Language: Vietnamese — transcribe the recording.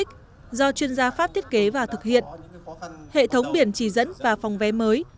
chuyên gia pháp thiết kế và thực hiện hệ thống biển trì dẫn và phòng vé mới